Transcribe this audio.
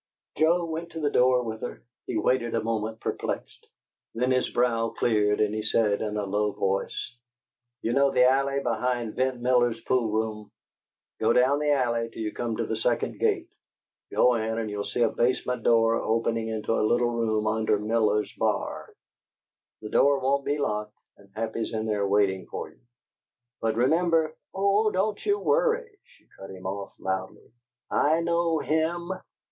Joe went to the door with her. He waited a moment, perplexed, then his brow cleared and he said in a low voice: "You know the alley beyond Vent Miller's pool room? Go down the alley till you come to the second gate. Go in, and you'll see a basement door opening into a little room under Miller's bar. The door won't be locked, and Happy's in there waiting for you. But remember " "Oh, don't you worry," she cut him off, loudly. "I know HIM!